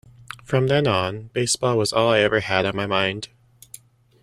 From then on, baseball was all I ever had on my mind.